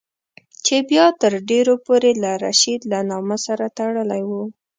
چې بیا تر ډېرو پورې له رشید له نامه سره تړلی وو.